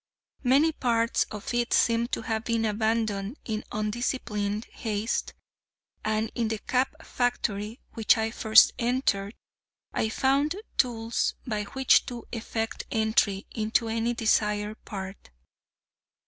Many parts of it seemed to have been abandoned in undisciplined haste, and in the Cap Factory, which I first entered, I found tools by which to effect entry into any desired part.